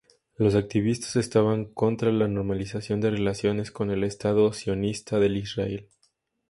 Los activistas estaban contra la normalización de relaciones con el Estado sionista de Israel.